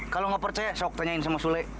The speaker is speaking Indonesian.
kalo gak percaya saya akan tanyain sama sule